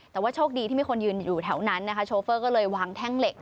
แต่ว่าโชคดีที่มีคนยืนอยู่แถวนั้นนะคะโชเฟอร์ก็เลยวางแท่งเหล็ก